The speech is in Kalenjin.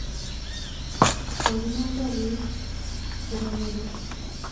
kokinam kariik chemong'ering'.